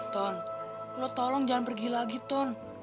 ton lo tolong jangan pergi lagi ton